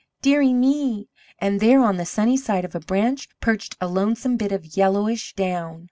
Dear ie me!' and there on the sunny side of a branch perched a lonesome bit of yellowish down.